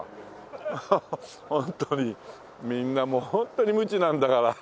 ホントにみんなもうホントに無知なんだから。